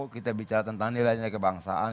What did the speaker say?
kita bicara tentang nilainya kebangsaan